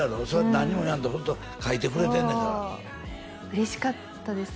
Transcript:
何にも言わんと書いてくれてんねんから嬉しかったです